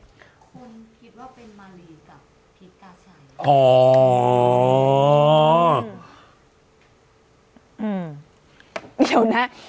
อืมเดี๋ยวนะ